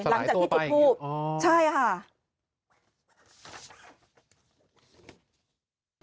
หลังจากที่ติดภูมิใช่อะฮะสลายตัวไปอย่างนี้อ๋อ